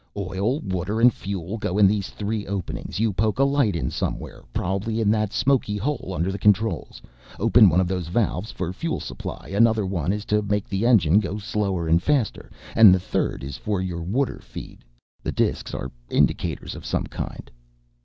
Oil, water and fuel go in these three openings, you poke a light in somewhere, probably in that smoky hole under the controls, open one of those valves for fuel supply, another one is to make the engine go slower and faster, and the third is for your water feed. The disks are indicators of some kind."